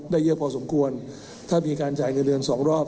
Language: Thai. เยอะพอสมควรถ้ามีการจ่ายเงินเดือนสองรอบ